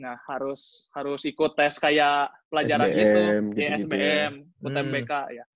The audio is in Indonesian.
nah harus ikut tes kayak pelajaran itu kayak sbm utmbk